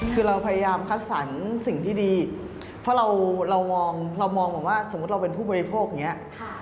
คือเราพยายามคัดสรรสิ่งที่ดีเพราะเรามองเรามองบอกว่าสมมุติเราเป็นผู้บริโภคอย่างนี้